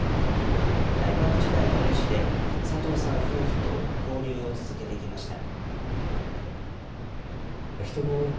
大学時代の恩師で、佐藤さん夫婦と交流を続けてきました。